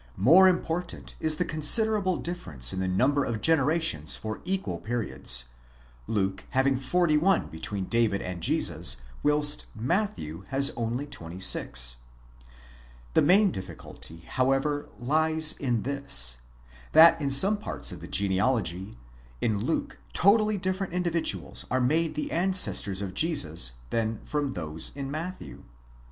More important is the considerable difference in the number of generations for equal periods, Luke having 41 between David and Jesus, whilst Matthew has only 26. The main difficulty, however, lies in this: that in some parts of the genealogy, in Luke totally different individuals are made the ancestors of Jesus from those of Matthew.